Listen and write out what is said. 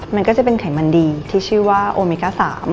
มันก็จะเป็นไขมันดีที่ชื่อว่าโอเมก้า๓